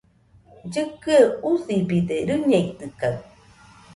Llɨkɨe usibide, rɨñeitɨkaɨ